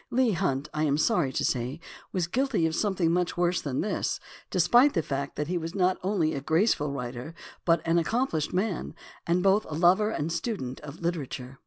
Leigh Hunt, I am sorry to say, was guilty of some thing much worse than this, despite the fact that he was not only a graceful writer, but an accomplished man, and both a lover and student of literature.